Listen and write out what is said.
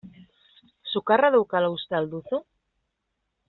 Sukarra daukadala uste al duzu?